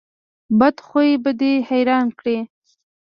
بد خوی به دې حیران کړي.